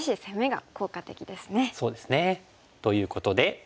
そうですね。ということで。